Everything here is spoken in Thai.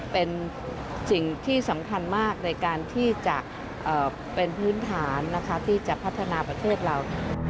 เป็นสิ่งที่สำคัญมากในการที่จะเป็นพื้นฐานนะคะที่จะพัฒนาประเทศเรา